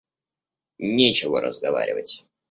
Нечего разговаривать!